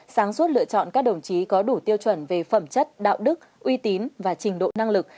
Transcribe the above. sáng suốt lựa chọn các đồng chí có đủ tiêu chuẩn về phẩm chất đạo đức uy tín và trình độ năng lực